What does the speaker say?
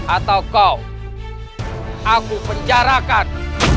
atau kau aku penjarakan